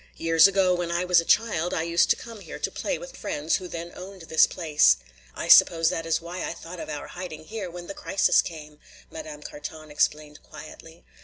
Years ago when I was a child I used to come here to play with friends who then owned this place. I suppose that is why I thought of our hiding here when the crisis came," Madame Carton explained quietly.